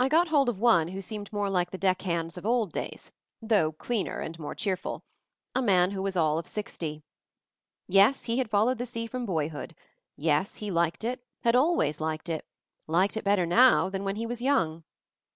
I got hold of one who seemed more like the deckhands of old days, though cleaner and more cheerful ; a man who was all of sixty. Yes he had f ollewed the sea from boyhood. Yes, he liked it, always had liked it, liked it better now than when he was young.